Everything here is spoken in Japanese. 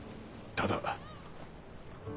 ただ？